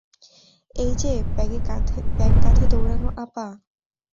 এইযে ব্যাগ কাঁধে দৌঁড়ানো আপা!